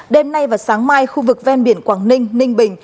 đêm nay và sáng mai khu vực ven biển quảng ninh ninh bình